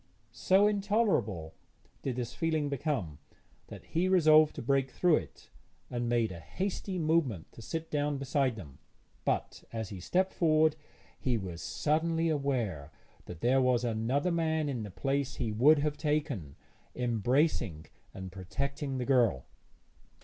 So intolerable did this feeling become that he resolved to break through it, and made a hasty movement to sit down beside them; but, as he stepped forward, he was suddenly aware that there was another man in the place he would have taken, embracing and protecting the girl.